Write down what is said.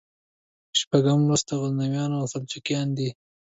شپږم لوست غزنویان او سلجوقیان دي.